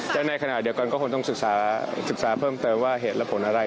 และในขณะเดียวกันก็คงต้องศึกษาเพิ่มเติมว่าเหตุและผลอะไร